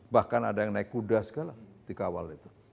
bahkan ada yang naik kuda segala ketika awal itu